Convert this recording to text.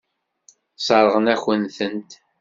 Sseṛɣen-akent-tent.